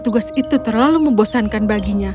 tugas itu terlalu membosankan baginya